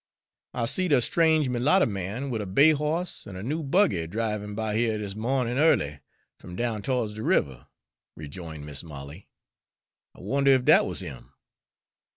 "I seed a strange mulatter man, with a bay hoss an' a new buggy, drivin' by here this mo'nin' early, from down to'ds the river," rejoined Mis' Molly. "I wonder if that wuz him?"